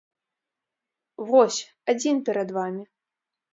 Вось, адзін перад вамі!